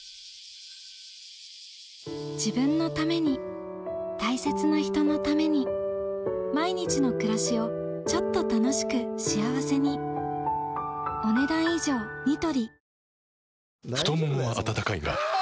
自分のために大切な人のために毎日の暮らしをちょっと楽しく幸せに太ももは温かいがあ！